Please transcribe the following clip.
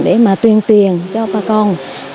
để mà tuyên tuyển cho bà con